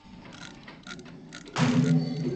Ti i a pam caah a ruak an hmu ti lo.